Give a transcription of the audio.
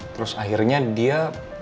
terus akhirnya dia